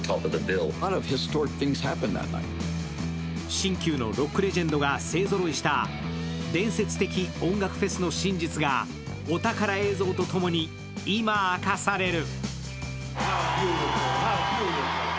新旧のロックレジェンドが勢ぞろいした伝説的音楽フェスの真実がお宝映像と共に今、明かされる。